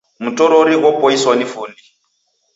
Mtorori ghopoiswa ni fundi.